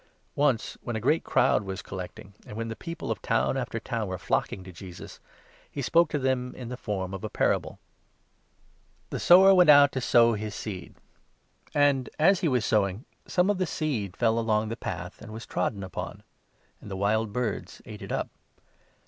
Parable Once, when a great crowd was collecting, and, 4 €* the sower, when the people of town after town were flocking to Jesus, he spoke to them in the form of a parable :'' The sower went out to sow his seed ; and, as he was sowing, $ 122 LUKE, 8. some of the seed fell along the path and was trodden upon ; and the wild birds ate it up.